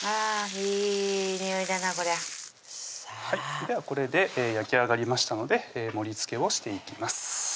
いいにおいだなこりゃではこれで焼き上がりましたので盛りつけをしていきます